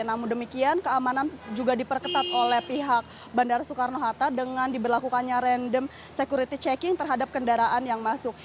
namun demikian keamanan juga diperketat oleh pihak bandara soekarno hatta dengan diberlakukannya random security checking terhadap kendaraan yang masuk